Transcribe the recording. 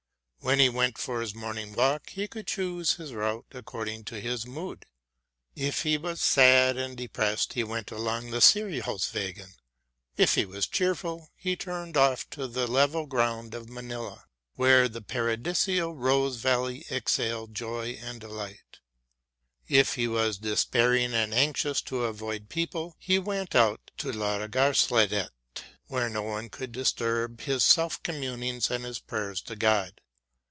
When he went for his morning walk he could choose his route according to his mood. If he was sad and depressed, he went along the Sirishofsvägen; if he was cheerful he turned off to the level ground of Manilla, where the paradisial rose valley exhaled joy and delight; if he was despairing and anxious to avoid people he went out to Ladugärdsgardet, where no one could disturb his self communings and his prayers to God.